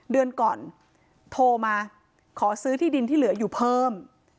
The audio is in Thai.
เดือนก่อนโทรมาขอซื้อที่ดินที่เหลืออยู่เพิ่ม